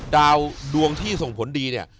ดาวดวงที่ส่งผลดีเนี่ย